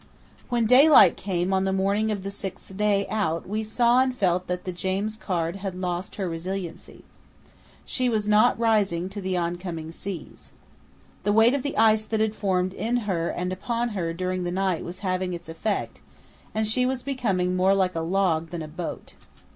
When daylight came on the morning of the sixth day out we saw and felt that the James Caird had lost her resiliency. She was not rising to the oncoming seas. The weight of the ice that had formed in her and upon her during the night was having its effect, and she was becoming more like a log than a boat.